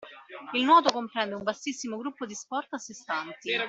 Il nuoto comprende un vastissimo gruppo di sport a sè stanti